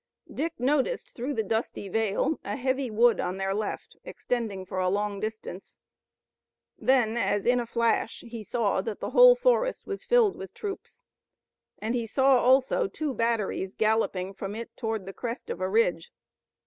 Dick noticed through the dusty veil a heavy wood on their left extending for a long distance. Then as in a flash, he saw that the whole forest was filled with troops, and he saw also two batteries galloping from it toward the crest of a ridge.